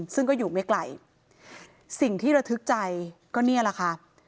ซึ่งก็อยู่ไม่ไกลสิ่งที่ระทึกใจก็เนี่ยแหละค่ะ